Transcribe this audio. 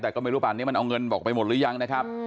แต่ก็ไม่รู้ป่านนี้มันเอาเงินบอกไปหมดหรือยังนะครับ